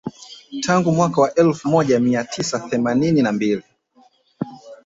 Tangu mwaka wa elfu moja mia tisa themanini na mbili